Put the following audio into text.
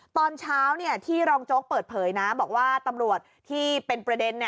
ตอนเช้าที่รองโจ๊กเปิดเผยนะบอกว่าตำรวจที่เป็นประเด็น